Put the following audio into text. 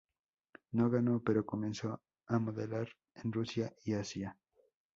No ganó pero comenzó a modelar en Rusia y Asia.